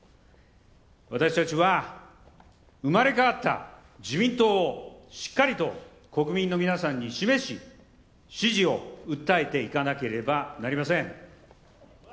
私たちは、生まれ変わった自民党をしっかりと国民の皆さんに示し支持を訴えていかなければなりません。